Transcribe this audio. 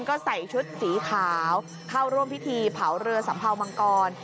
ก็ใส่ชุดสีขาวเข้าร่วมพิธีเผาเรือสัมเภามังกร